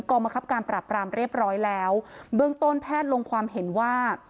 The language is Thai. กรรมคับการปรับปรามเรียบร้อยแล้วเบื้องต้นแพทย์ลงความเห็นว่า